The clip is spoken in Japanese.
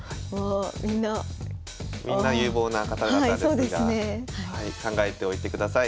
みんな有望な方々ですが考えておいてください。